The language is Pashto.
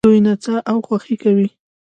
دوی نڅا او خوښي کوي.